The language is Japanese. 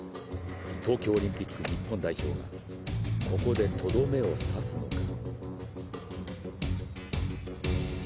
東京オリンピック日本代表がここで、とどめを刺すのか。